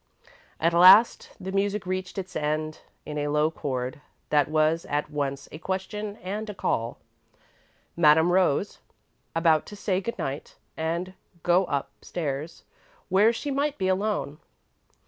At last the music reached its end in a low chord that was at once a question and a call. Madame rose, about to say good night, and go up stairs where she might be alone.